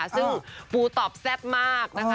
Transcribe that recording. ซึ่งปูตอบแซ่บมากนะคะ